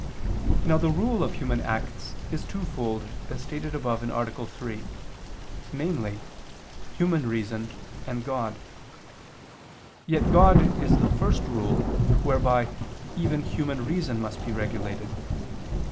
Now the rule of human acts is twofold, as stated above (A. 3), namely, human reason and God: yet God is the first rule, whereby, even human reason must be regulated.